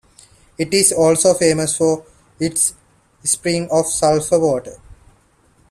It is also famous for its springs of sulphur water.